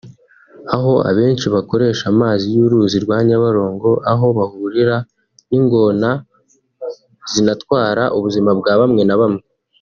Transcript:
aho abenshi bakoresha amazi y’uruzi rwa Nyabarongo aho bahurira n’ingona zinatwara ubuzima bwa bamwe na bamwe